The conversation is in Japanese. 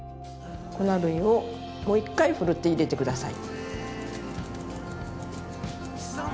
粉類をもう一回ふるって入れて下さい。